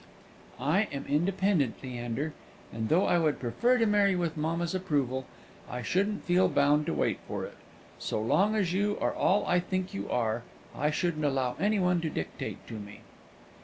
"I am independent, Leander; and though I would prefer to marry with mamma's approval, I shouldn't feel bound to wait for it. So long as you are all I think you are, I shouldn't allow any one to dictate to me."